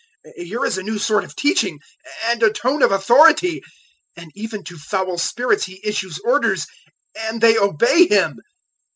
Here is a new sort of teaching and a tone of authority! And even to foul spirits he issues orders and they obey him!"